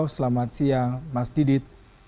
selamat siang mas didit